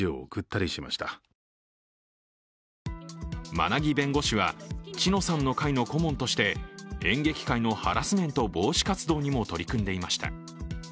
馬奈木弁護士は知乃さんの会の顧問として演劇界のハラスメント防止活動にも取り組んでいました。